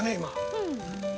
うん。